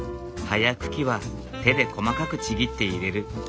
葉や茎は手で細かくちぎって入れる。